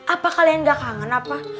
apa kalian gak kangen apa